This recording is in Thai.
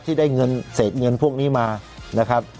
ที่ได้เงินเศษเงินพวกนี้มานะครับ